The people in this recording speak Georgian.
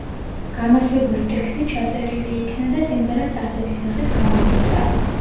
გამარჯვებული ტექსტი ჩაწერილი იქნა და სიმღერაც ასეთი სახით გამოიცა.